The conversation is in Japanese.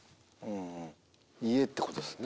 家ってことですね。